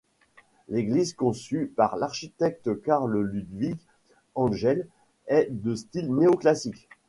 L'église conçue par l'architecte Carl Ludvig Engel est de style néoclassique.